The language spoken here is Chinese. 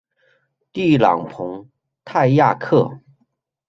蒂朗蓬泰雅克。